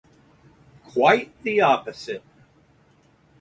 Quite the opposite.